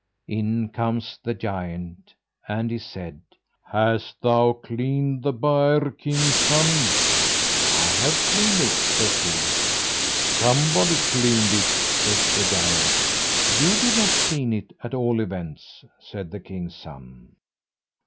In comes the giant, and he said: "Hast thou cleaned the byre, king's son?" "I have cleaned it," says he. "Somebody cleaned it," says the giant. "You did not clean it, at all events," said the king's son.